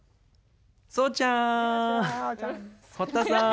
ソウちゃん、堀田さん